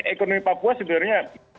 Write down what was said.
ekonomi papua sebenarnya